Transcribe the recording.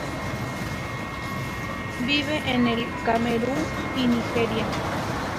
Vive en el Camerún y Nigeria.